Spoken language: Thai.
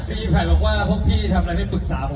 ปิ๊ภัยบอกว่าพวกพี่ใช่ทำอะไรเพื่อปรึกษาผม